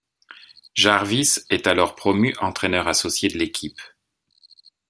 Jarvis est alors promu entraîneur associé de l'équipe.